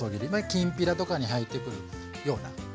きんぴらとかに入ってくるようなサイズ。